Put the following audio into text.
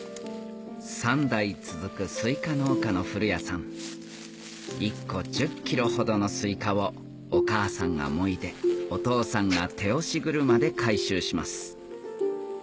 ３代続くスイカ農家の古屋さん１個１０キロほどのスイカをお母さんがもいでお父さんが手押し車で回収します